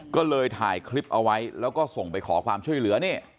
ก็เลยถ่ายคลิปเอาไว้แล้วก็ส่งไปขอความช่วยเหลือนี่